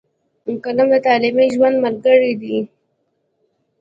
قلم د تعلیمي ژوند ملګری دی.